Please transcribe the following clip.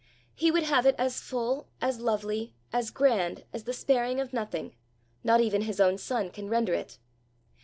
He would have it as full, as lovely, as grand, as the sparing of nothing, not even his own son, can render it.